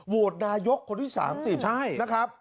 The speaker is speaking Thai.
โหวตนายกคนที่๓๐นะครับ